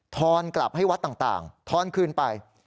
อนกลับให้วัดต่างทอนคืนไป